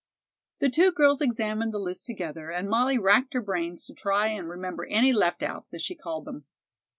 The two girls examined the list together, and Molly racked her brains to try and remember any left outs, as she called them.